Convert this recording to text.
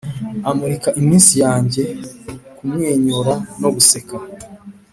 amurika iminsi yanjye kumwenyura no guseka.